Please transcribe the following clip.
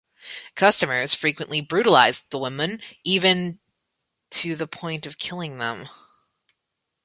Customers frequently brutalized the women, even to the point of killing them.